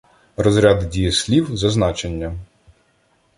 Розряди дієслів за значенням